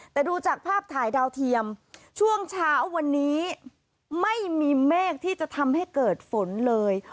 แต่ดูจากภาพถ่ายดาวเทียมช่วงเช้าวันนี้ไม่มีเมฆที่จะทำให้เกิดฝนเลย